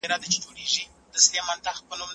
زه به سبا سبزېجات تيار کړم!!